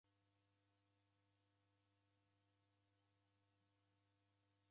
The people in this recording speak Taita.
Nekunda idime diw'inyorore ngolo.